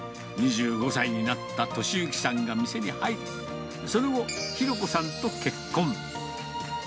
２５歳になった敏行さんが店に入り、その後、裕子さんと結婚。